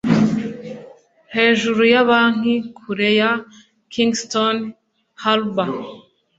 hejuru ya banki, kure ya kingston harbour